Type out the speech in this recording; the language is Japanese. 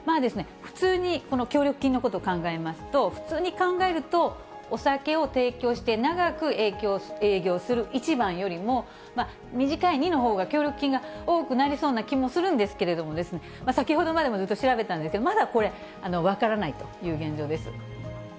普通にこの協力金のことを考えますと、普通に考えると、お酒を提供して長く営業する１番よりも、短い２のほうが、協力金が多くなりそうな気もするんですけれども、先ほどまで調べたんですけれども、まだこれ、分からないという現状です。